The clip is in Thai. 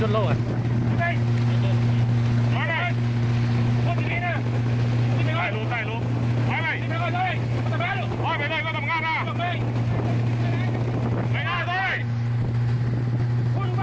ล้อนะคะ